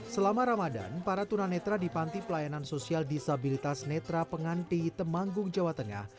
selama ramadan para tunanetra di panti pelayanan sosial disabilitas netra penganti temanggung jawa tengah